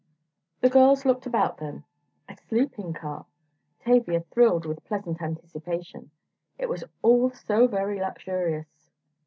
The girls looked about them. A sleeping car! Tavia thrilled with pleasant anticipation. It was all so very luxurious!